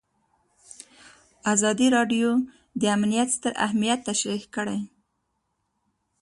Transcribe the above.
ازادي راډیو د امنیت ستر اهميت تشریح کړی.